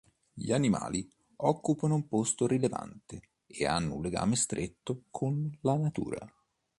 Gli animali occupano un posto rilevante e hanno un legame stretto con la natura.